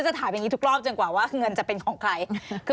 ฉันจะถามอื่นทั้งกรอบใคร